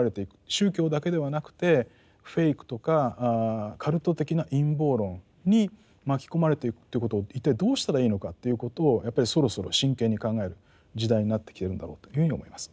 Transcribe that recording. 宗教だけではなくてフェイクとかカルト的な陰謀論に巻き込まれていくということを一体どうしたらいいのかということをやっぱりそろそろ真剣に考える時代になってきてるんだろうというふうに思います。